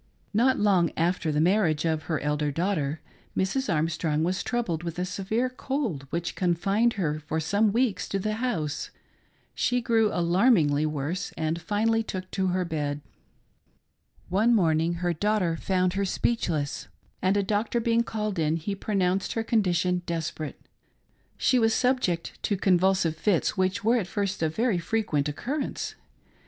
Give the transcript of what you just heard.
Not long after the marriage of her elder daughter, Mrs. Armstrong was troubled with a severe cold which confined her for some weeks to the house. She grew alarmingly worse, and finally took to her bed. One morning her daughter found her speechless, and a doctor being called in, he pro nounced her condition desperate. She was subject to con vulsive fits which were at first of very frequent occurrence.